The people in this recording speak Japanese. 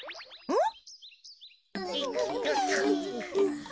うん。